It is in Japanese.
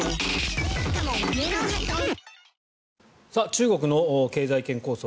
中国の経済圏構想